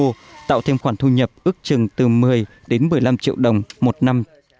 ngô tạo thêm khoản thu nhập ước chừng từ một mươi đến một mươi năm triệu đồng một năm